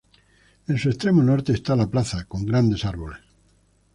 En su extremo norte está la plaza, con grandes árboles.